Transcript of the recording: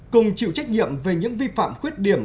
cùng chịu trách nhiệm về những vi phạm khuyết điểm